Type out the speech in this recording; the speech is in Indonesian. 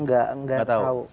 nggak nggak tahu